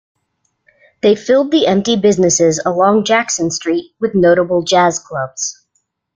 They filled the empty businesses along Jackson Street with notable jazz clubs.